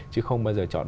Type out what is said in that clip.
chứ không bao giờ chọn